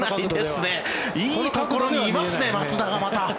いい角度にいますね松田がまた。